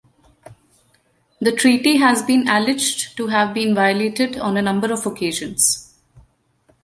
The treaty has been alleged to have been violated on a number of occasions.